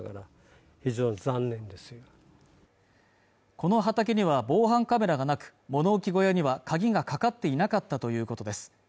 この畑には防犯カメラがなく物置小屋には鍵がかかっていなかったということです